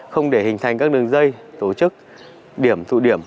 không để hình thành các đường dây tổ chức điểm tụ điểm